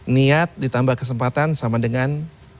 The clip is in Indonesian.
niat ditambah kesempatan sama dengan